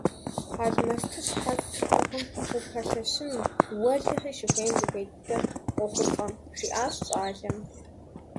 Алмэсты щхьэц зыӀыгъым упэлъэщын, – уэлэхьи, щыхуейм зыхуей дыдэр къохъулӀэм, – жиӀащ щӀалэм.